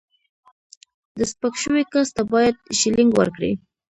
د سپک شوي کس ته باید شیلینګ ورکړي.